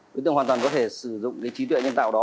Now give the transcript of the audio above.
đối tượng hoàn toàn có thể sử dụng cái trí tuệ nhân tạo đó